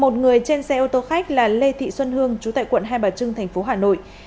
một người trên xe ô tô khách là lê thị xuân hương chú tại quận hai bà trưng thành phố hà nội